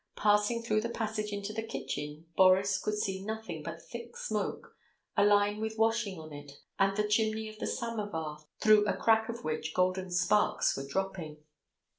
Passing through the passage into the kitchen Boris could see nothing but thick smoke, a line with washing on it, and the chimney of the samovar through a crack of which golden sparks were dropping.